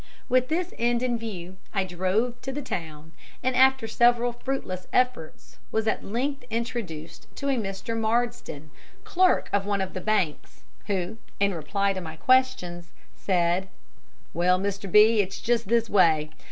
With this end in view, I drove to the town, and after several fruitless efforts was at length introduced to a Mr. Marsden, clerk of one of the banks, who, in reply to my questions, said: "Well, Mr. B , it's just this way.